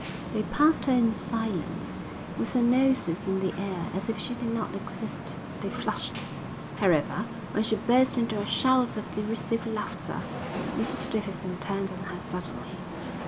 They passed her in silence, with their noses in the air, as if she did not exist. They flushed, however, when she burst into a shout of derisive laughter. Mrs Davidson turned on her suddenly.